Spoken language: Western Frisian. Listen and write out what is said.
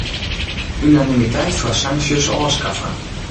Unanimiteit foar sanksjes ôfskaffe.